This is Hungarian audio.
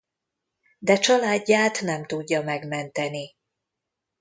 De családját nem tudja megmenteni.